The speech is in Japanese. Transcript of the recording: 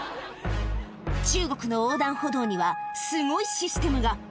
中国の横断歩道には、すごいシステムが。